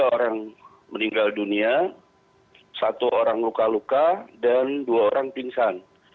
tiga orang meninggal dunia satu orang luka luka dan dua orang pingsan